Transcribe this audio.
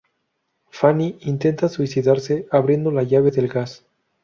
Fanny intenta suicidarse abriendo la llave del gas.